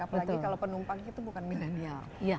apalagi kalau penumpang itu bukan milenial